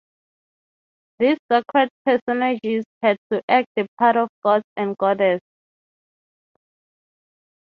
These sacred personages had to act the part of gods and goddesses.